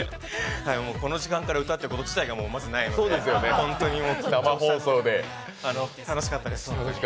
この時間から歌うこと自体が、まずないので、本当にもう楽しかったです。